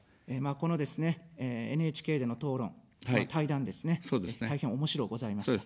このですね、ＮＨＫでの討論、対談ですね、大変おもしろうございました。